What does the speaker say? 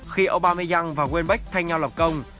khi aubameyang và wembeck thanh nhau lập công